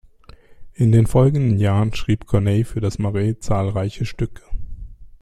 In den folgenden Jahren schrieb Corneille für das Marais zahlreiche Stücke.